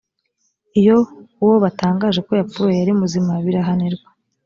iyo uwo batangaje ko yapfuye yari muzima birahanirwa